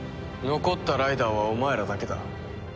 残ったライダーはお前らだけだ。